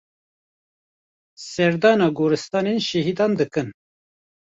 Serdana goristanên şehîdan dikin.